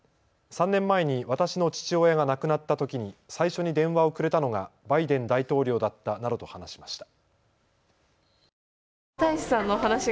３年前に私の父親が亡くなったときに最初に電話をくれたのがバイデン大統領だったなどと話しました。